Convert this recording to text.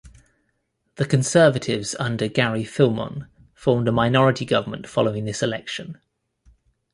The Conservatives under Gary Filmon formed a minority government following this election.